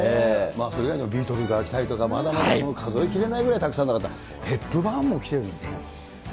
そのほかにもビートルズが来たりとか、まだまだ数えきれないくらいたくさんの方、ヘップバーンも来てるんですね。